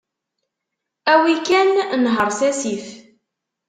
Awi kan nher s asif.